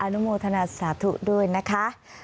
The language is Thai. นุโมทนาสาธุด้วยนะคะ